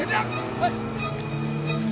はい！